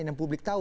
yang publik tahu